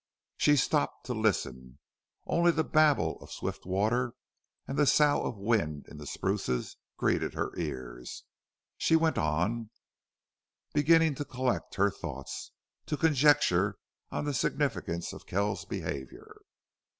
She stopped to listen. Only the babble of swift water and the sough of wind in the spruces greeted her ears. She went on, beginning to collect her thoughts, to conjecture on the significance of Kells's behavior.